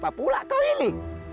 siapa pula kau ini